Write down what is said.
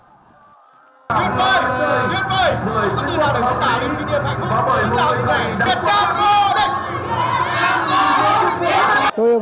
nguyên vơi nguyên vơi không có gì nào để chúng ta được suy nghĩ hạnh phúc không có gì nào để chúng ta được vô địch